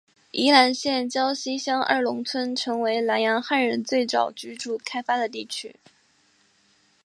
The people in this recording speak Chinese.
宜兰县礁溪乡二龙村成为兰阳汉人最早居住开发的地区。